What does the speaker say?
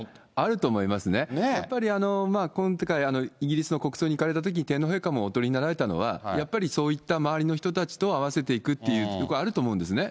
やっぱり今回、イギリスの国葬に行かれたとき、天皇陛下もお取りになられたのは、やっぱりそういった周りの人たちと合わせていくっていうとこ、あると思うんですね。